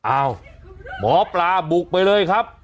อ้าวหมอปลาบุกไปเลยครับ